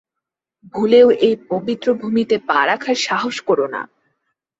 ভুলেও এই পবিত্র ভূমিতে পা রাখার সাহস করো না।